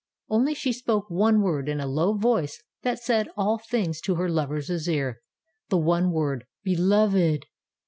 Only she spoke one word in a low voice that said all things to her lover's ear, the one word "Beloved!"